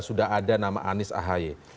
sudah ada nama anies ahy